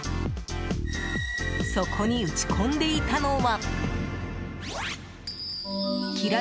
そこに打ち込んでいたのは。